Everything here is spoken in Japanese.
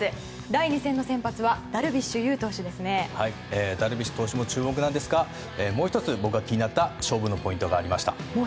第２戦の先発はダルビッシュ有投手も注目なんですがもう１つ僕が気になった勝負のポイントがありました。